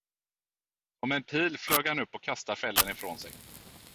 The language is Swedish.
Som en pil flög han upp och kastade fällen ifrån sig.